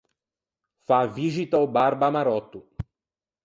Fâ vixita a-o barba maròtto.